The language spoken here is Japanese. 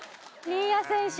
新谷選手